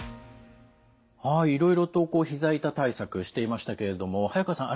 はいいろいろとこうひざ痛対策していましたけれども早川さん